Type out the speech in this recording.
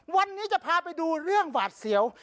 วันนี้จะพาไปดูเรื่องหวาดเสียว